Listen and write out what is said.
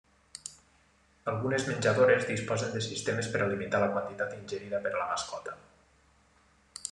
Algunes menjadores disposen de sistemes per a limitar la quantitat ingerida per la mascota.